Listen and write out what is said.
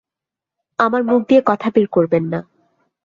আমার মুখ দিয়ে কথা বের করবেন না।